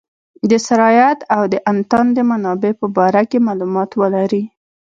د سرایت او د انتان د منابع په باره کې معلومات ولري.